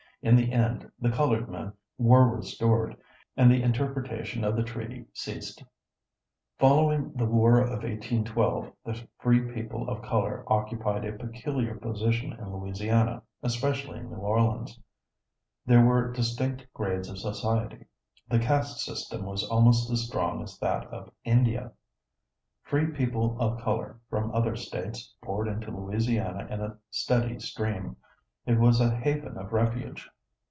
In the end the colored men were restored, and the interpretation of the treaty ceased. Following the War of 1812 the free people of color occupied a peculiar position in Louisiana, especially in New Orleans. There were distinct grades of society. The caste system was almost as strong as that of India. Free people of color from other states poured into Louisiana in a steady stream. It was a haven of refuge.